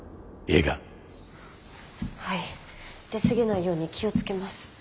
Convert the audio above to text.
はい出過ぎないように気を付けます。